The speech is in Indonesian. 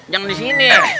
jangan di sini